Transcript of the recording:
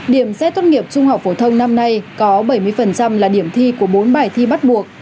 điểm xét tốt nghiệp trung học phổ thông năm nay có bảy mươi là điểm thi của bốn bài thi bắt buộc